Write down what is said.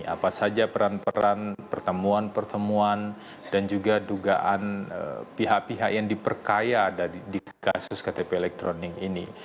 apa saja peran peran pertemuan pertemuan dan juga dugaan pihak pihak yang diperkaya di kasus ktp elektronik ini